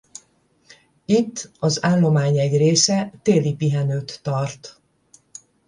Itt az állomány egy része téli pihenőt tart.